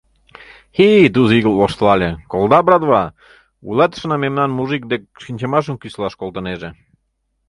— Хи-и, — Туз игылт воштылале, — колыда, братва, вуйлатышына мемнам мужик дек шинчымашым кӱсылаш колтынеже!